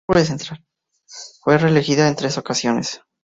Fue reelegida en tres ocasiones.